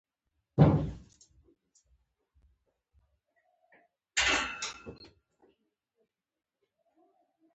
سوالګر ته خیرات نه، محبت پکار دی